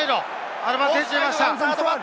アドバンテージが出ました。